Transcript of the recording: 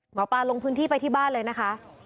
หมอปลาลงพื้นที่ไปที่บ้านเลยนะคะ